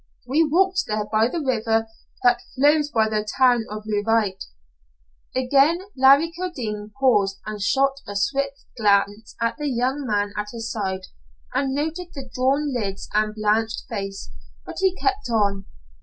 We walked there by the river that flows by the town of Leauvite." Again Larry Kildene paused and shot a swift glance at the young man at his side, and noted the drawn lids and blanched face, but he kept on.